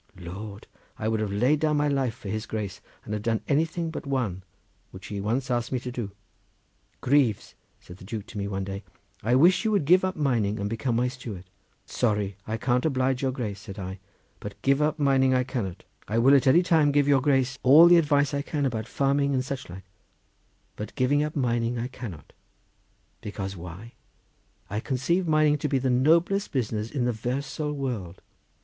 Lord! I would have laid down my life for his Grace and have done anything but one which he once asked me to do: 'Greaves,' said the Duke to me one day, 'I wish you would give up mining and become my steward.' 'Sorry I can't oblige your Grace,' said I; 'but give up mining I cannot. I will at any time give your Grace all the advice I can about farming and such like, but give up mining I cannot: because why? I conceive mining to be the noblest business in the 'versal world.